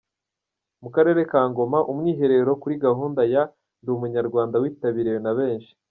Mu karere ka Ngoma, umwiherero kuri gahunda ya "Ndi Umunyarwanda" witabiriwe na benshi.